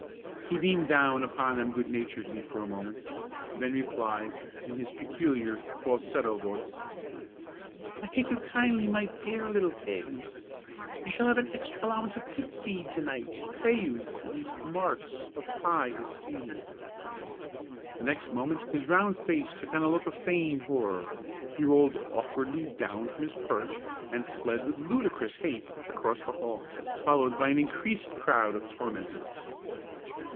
He beamed down upon them good naturedly for a moment, and then replied, in his peculiar, falsetto voice, "I thank you kindly, my dear little pigs. You shall have an extra allowance of pig feed to night to pay you for these marks of high esteem." The next moment his round face took on a look of feigned horror; he rolled awkwardly down from his perch, and fled with ludicrous haste across the hall, followed by an increased crowd of tormentors.